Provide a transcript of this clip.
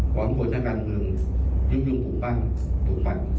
กวนทุกอย่างกันมายุ่งปุ่มพันธุ์